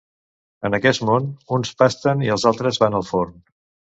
En aquest món, uns pasten i altres van al forn.